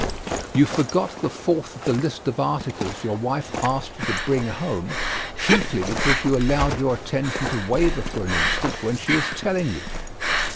You forgot the fourth of the list of articles your wife asked you to bring home chiefly because you allowed your attention to waver for an instant when she was telling you.